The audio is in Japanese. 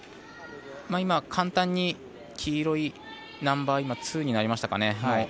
今、簡単に黄色いナンバーツーになりましたかね。